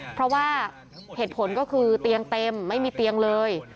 เพราะว่าเหตุผลก็คือเตียงเต็มไม่มีเตียงเลย